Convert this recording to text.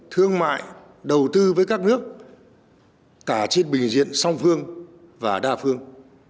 thương mại đầu tư với các nước cả trên bình diện song phương và đa phương